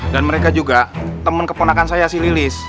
dan mereka juga temen keponakan saya si lilis